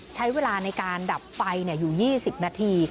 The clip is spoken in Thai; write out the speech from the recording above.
ใช้เวลาในการดับไฟอยู่๒๐นาที